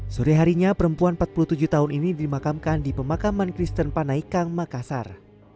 sore harinya perempuan empat puluh tujuh tahun ini dimakamkan di pemakaman kristen panaikang makassar